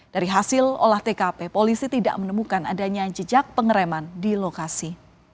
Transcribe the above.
dari hasil olah tkp polisi tidak menemukan adanya jejak pengereman di lokasi